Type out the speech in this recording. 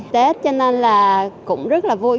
tết cho nên là cũng rất là vui